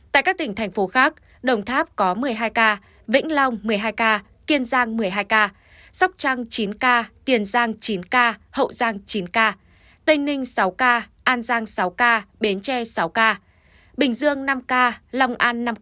tại các tỉnh thành phố khác đồng tháp có một mươi hai ca vĩnh long một mươi hai ca kiên giang một mươi hai ca sóc trang chín ca tiền giang chín ca hậu giang chín ca tây ninh sáu ca an giang sáu ca bến tre sáu ca bình dương năm ca long an năm ca cần thơ năm ca bạc liêu năm ca bình phước bốn ca đồng nai bốn ca hòa bình bốn ca bà rịa bốn ca